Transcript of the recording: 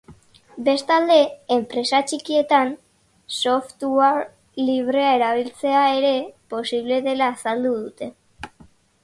Bestalde, enpresa txikietan software librea erabiltzea ere posible dela azaldu dute.